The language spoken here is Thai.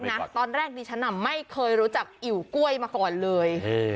นะตอนแรกดิฉันไม่เคยรู้จักอิ๋วกล้วยมาก่อนเลย